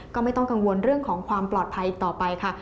ก็ไม่ต้องกังวลเรื่องของความปลอดภัยต่อไปค่ะ